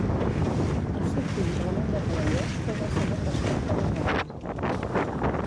El seu fill Ramon de Perellós fou el segon vescomte de Roda.